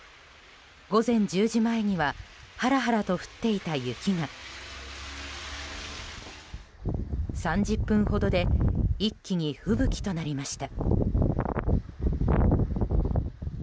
午前１０時前にはハラハラと降っていた雪が３０分ほどで一気に吹雪となりました。